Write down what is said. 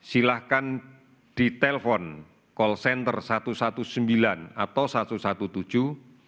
silahkan ditelepon call center satu ratus sembilan belas atau satu ratus tujuh belas